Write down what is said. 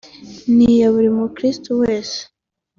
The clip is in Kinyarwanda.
ni iya buri mukirisitu wese